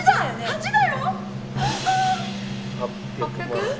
８００万。